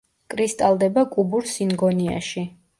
კრისტალდება კუბურ სინგონიაში.